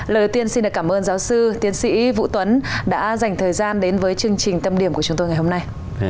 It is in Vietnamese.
lời tiên xin được cảm ơn giáo sư tiến sĩ vũ tuấn đã dành thời gian đến với chương trình tâm điểm của chúng tôi ngày hôm nay